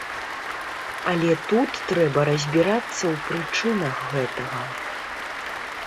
Але тут трэба разбірацца ў прычынах гэтага.